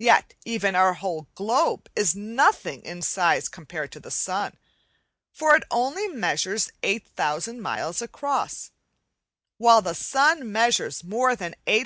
Yet even our whole globe is nothing in size compared to the sun, for it only measures 8000 miles across, while the sun measures more the 852,000.